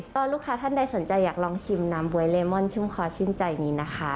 ก็ลูกค้าท่านใดสนใจอยากลองชิมน้ำบ๊วยเลมอนชุ่มคอชื่นใจนี้นะคะ